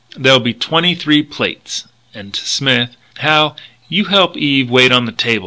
"There'll be twenty three plates." And to Smith: "Hal you help Eve wait on the table.